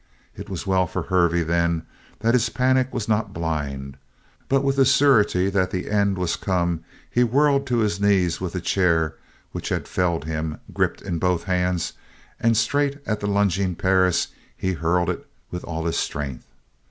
It was well for Hervey then that his panic was not blind, but with the surety that the end was come he whirled to his knees with the chair which had felled him gripped in both hands and straight at the lunging Perris he hurled it with all his strength.